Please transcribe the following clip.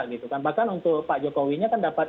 gitu kan bahkan untuk pak jokowi nya kan dapat